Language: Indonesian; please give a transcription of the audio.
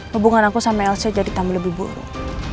hubungan aku sama elsa jadi tamu lebih buruk